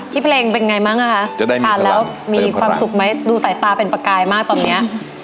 ที่เพลงเป็นไงบ้างนะคะจะได้มีความสุขค่ะแล้วมีความสุขไหมดูสายตาเป็นประกายมากตอนเนี้ย